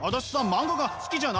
漫画が好きじゃない！